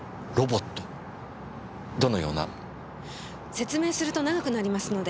説明すると長くなりますので。